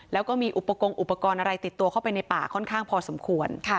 แล้วก็มีอุปกรณ์อุปกรณ์อะไรติดตัวเข้าไปในป่าค่อนข้างพอสมควร